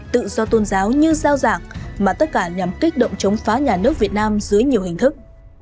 tự do tôn giáo như giao giảng mà tất cả nhằm kích động chống phá nhà nước việt nam dưới nhiều hình thức